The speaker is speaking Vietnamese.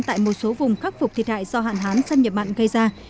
tại một số vùng khắc phục thiệt hại do hạn hán xâm nhập mặn gây ra